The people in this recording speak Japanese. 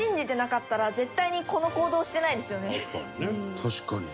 確かにね。